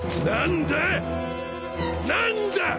何だ？